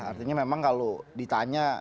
artinya memang kalau ditanya